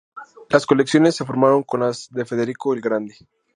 Las colecciones se formaron con las de Federico el Grande.